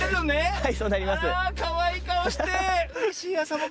はい。